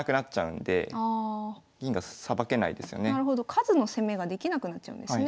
数の攻めができなくなっちゃうんですね。